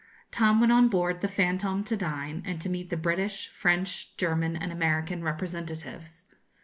Tom went on board the 'Fantôme' to dine, and to meet the British, French, German, and American representatives.